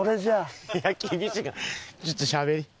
いやちょっとしゃべり。